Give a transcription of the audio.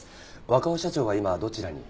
若尾社長は今どちらに？